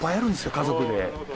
家族で。